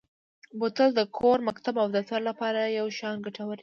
بوتل د کور، مکتب او دفتر لپاره یو شان ګټور دی.